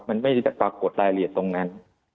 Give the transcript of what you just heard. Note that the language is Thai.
มันไม่ได้ปรากฏรายละเอียดตรงนั้น